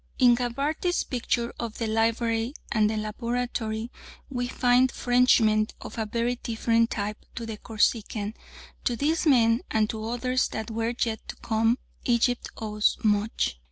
In Gabarty's picture of the library and laboratory we find Frenchmen of a very different type to the Corsican. To these men and to others that were yet to come Egypt owes much.